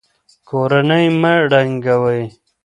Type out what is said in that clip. کورنۍ مه ړنګوئ.